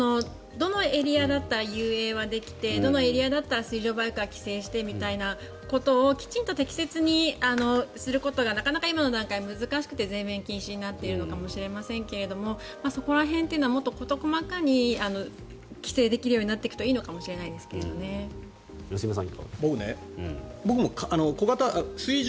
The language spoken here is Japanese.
どのエリアだったら遊泳できてどのエリアだったら水上バイクは規制してみたいなことをきちんと適切にすることがなかなか今の段階で難しくて全面禁止になっているのかもしれませんがそこら辺というのはもっと事細かに規制できるようになっていくと良純さん